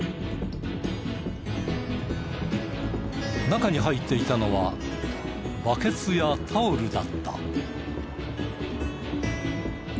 中に入っていたのはバケツやタオルだった。